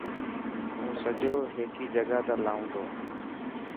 هون سجو هيڪي جڳهه تا لان تو.